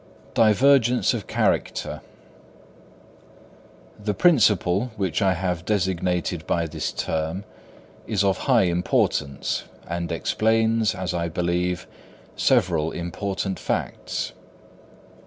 Divergence of Character. The principle, which I have designated by this term, is of high importance, and explains, as I believe, several important facts.